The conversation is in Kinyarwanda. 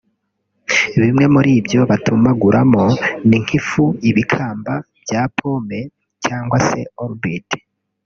Bimwe muri ibyo batumaguramo ni nk’ifu ibikamba bya pome cyangwa se orbite